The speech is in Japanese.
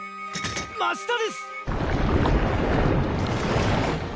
真下です！